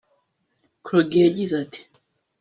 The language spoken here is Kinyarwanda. Krogh yagize ati